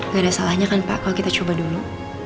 gak ada salahnya kan pak kalau kita coba dulu